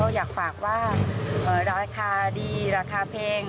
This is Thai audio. เราอยากฝากว่าอ่าราคาดีราคาเพลง